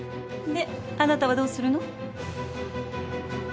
であなたはどうするの？